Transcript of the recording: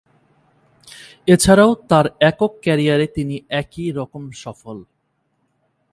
এছাড়াও তার একক ক্যারিয়ারে তিনি একই রকম সফল।